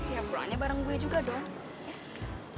ya pokoknya bareng gue juga dong